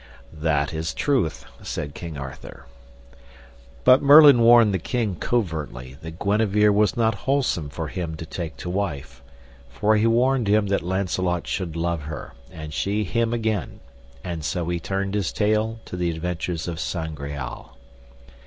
That is truth, said King Arthur. But Merlin warned the king covertly that Guenever was not wholesome for him to take to wife, for he warned him that Launcelot should love her, and she him again; and so he turned his tale to the adventures of Sangreal.